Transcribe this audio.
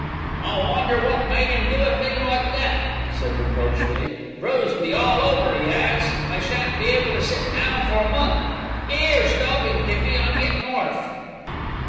"I wonder wot made 'im do a thing like that," he said reproachfully. "Bruised me all over 'e 'as. I shan't be able to sit down for a month. 'Ere, stop 'im, Tippy. I'm gettin' orf."